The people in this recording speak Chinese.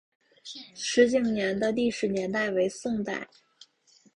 石井岩的历史年代为宋代。